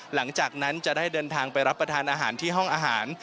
หลังจากนั้นจะได้เดินทางไปรับประทานอาหารที่ห้องอาหาร